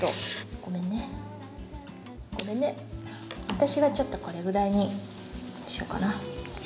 私はちょっとこれぐらいにしようかな。